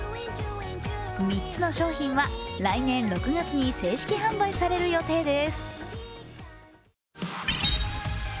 ３つの商品は来年６月に正式販売される予定です